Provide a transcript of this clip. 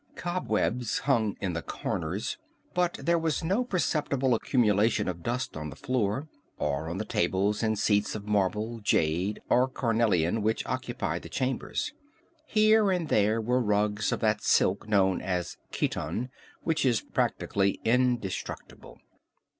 Cobwebs hung in the corners, but there was no perceptible accumulation of dust on the floor, or on the tables and seats of marble, jade or carnelian which occupied the chambers. Here and there were rugs of that silk known as Khitan which is practically indestructible.